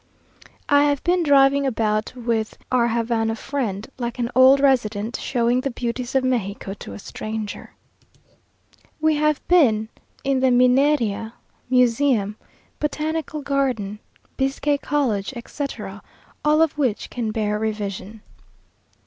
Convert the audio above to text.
I have been driving about with our Havana friend, like an old resident, showing the beauties of Mexico to a stranger. We have been in the Mineria, Museum, Botanical Garden, Biscay College, etc., all of which can bear revision.